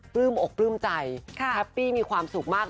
ปลื้มอกปลื้มใจครับพี่มีความสุขมาก